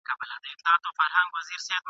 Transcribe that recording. پښتانه په زړه ورتیا جنګيږي.